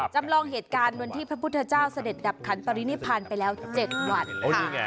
จำลองเหตุการณ์วันที่พระพุทธเจ้าเสด็จดับขันปรินิพันธ์ไปแล้ว๗วัน